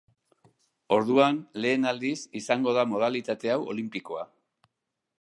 Orduan, lehen aldiz, izango da modalitate hau olinpikoa.